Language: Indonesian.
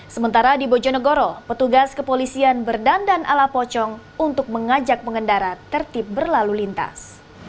sementara di bojonegoro petugas kepolisian berdandan ala pocong untuk mengajak pengendara tertib berlalu lintas